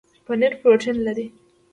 پنیر پروټین لري